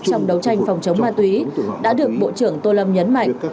trong đấu tranh phòng chống ma túy đã được bộ trưởng tô lâm nhấn mạnh